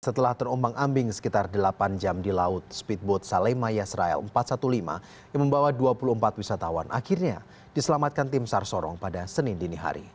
setelah terombang ambing sekitar delapan jam di laut speedboat salema yesrael empat ratus lima belas yang membawa dua puluh empat wisatawan akhirnya diselamatkan tim sar sorong pada senin dini hari